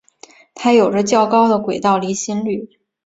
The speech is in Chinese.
它有着较高的轨道离心率。